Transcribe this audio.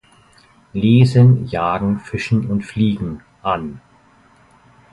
Lesen, Jagen, Fischen und Fliegen an.